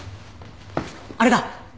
あれだ！